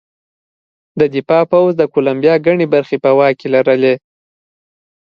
د دفاع پوځ د کولمبیا ګڼې برخې په واک کې لرلې.